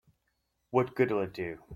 What good'll it do?